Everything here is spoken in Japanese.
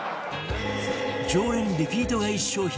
常連リピート買い商品